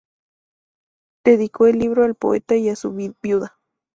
Dedicó el libro al poeta y a su viuda.